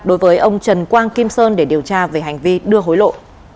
đối với ông trần quang kim sơn để điều tra về hành vi đưa hối lộ